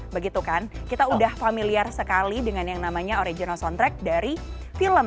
begitu kan kita udah familiar sekali dengan yang namanya original soundtrack dari film